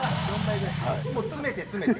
もう詰めて詰めて。